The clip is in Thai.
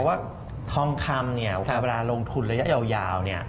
เพราะว่าทองคำคราวพราลโลงทุนระยะยาวยาว